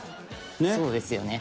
そうですよね。